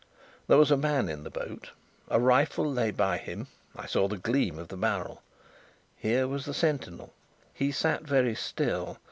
There was a man in the boat. A rifle lay by him I saw the gleam of the barrel. Here was the sentinel! He sat very still.